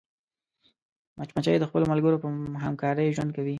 مچمچۍ د خپلو ملګرو په همکارۍ ژوند کوي